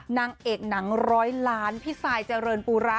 นางเอกหนังร้อยล้านพี่ซายเจริญปูระ